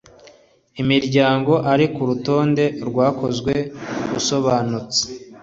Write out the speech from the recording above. imiryango ari ku rutonde rwakozwe asobanutse